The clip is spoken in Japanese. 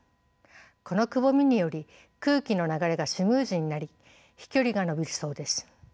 このくぼみにより空気の流れがスムーズになり飛距離が伸びるそうです。